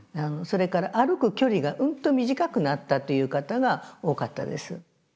それから歩く距離がうんと短くなったという方が多かったです。